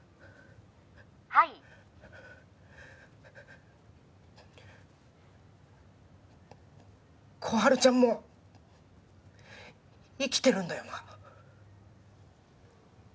はい心春ちゃんも生きてるんだよな？